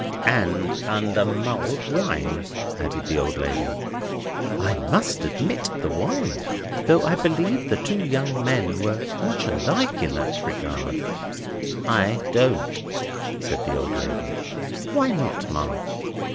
"And under mulled wine," added the old lady. "I must admit the wine. Though I believe the two young men were much alike in that regard." "I don't," said the old lady. "Why not, Ma?"